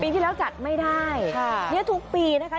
ที่แล้วจัดไม่ได้ค่ะเนี่ยทุกปีนะคะ